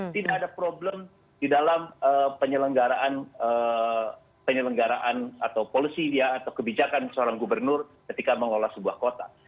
tidak ada problem di dalam penyelenggaraan atau kebijakan seorang gubernur ketika mengelola sebuah kota